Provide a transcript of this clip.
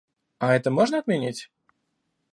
А это можно отменить?